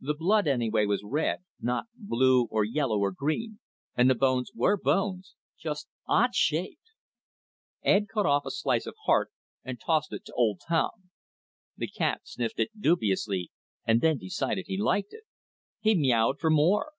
The blood, anyway, was red; not blue or yellow or green; and the bones were bones, just odd shaped. Ed cut off a slice of heart and tossed it to old Tom. The cat sniffed it dubiously and then decided he liked it. He meowed for more.